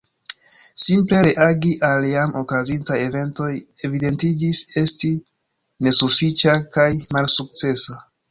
Simple reagi al jam okazintaj eventoj evidentiĝis esti nesufiĉa kaj malsukcesa.